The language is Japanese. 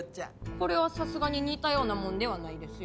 これはさすがに似たようなもんではないですよ。